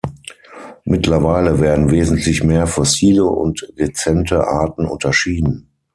Mittlerweile werden wesentlich mehr fossile und rezente Arten unterschieden.